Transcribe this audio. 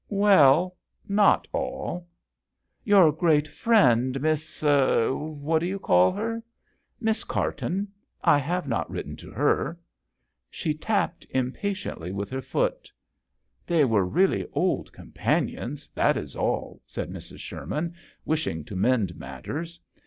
"Well, not all.' J " Your great friend, Miss what do you call her ?" "Miss Carton. I have not written to her." She tapped impatiently with her foot. "They were really old com panions that is all," said Mrs. Sherman, wishing to mend matters.